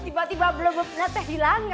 tiba tiba belum berpisa teh bilang gaib